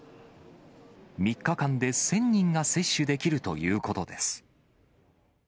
３日間で１０００人が接種できるということです。